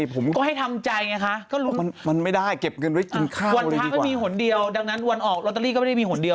บอกถามหนูว่าอิ่งจิเพราะผมเนี้ยเลขที่เราออกแล้วเนี่ย